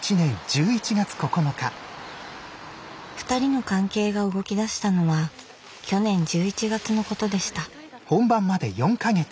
ふたりの関係が動きだしたのは去年１１月のことでした。